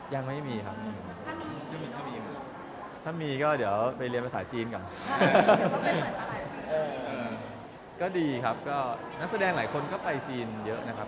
ยังไม่มีครับถ้ามีก็เดี๋ยวไปเรียนภาษาจีนก่อนก็ดีครับก็นักแสดงหลายคนก็ไปจีนเยอะนะครับ